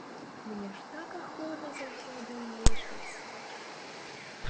Мне ж так ахвота заўсёды ўмешвацца!